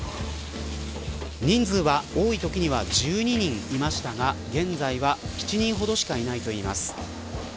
人数は多いときには１２人いましたが現在は７人ほどしかいないといいます。